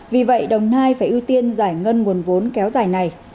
vì vậy đồng nai phải ưu tiên giải ngân nguồn vốn kéo dài này